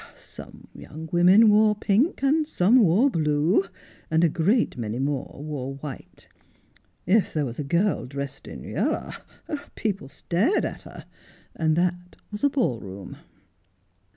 Some young women wore pink, and some wore blue, and a great many more wore white. If there was a girl dressed in yaller people stared at her. And that was a ball room.'